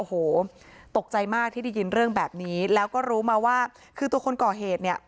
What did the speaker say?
โอ้โหตกใจมากที่ได้ยินเรื่องแบบนี้แล้วก็รู้มาว่าคือตัวคนก่อเหตุเนี่ย